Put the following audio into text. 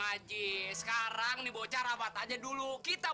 haji sekarang nih bocah rapat aja dulu kita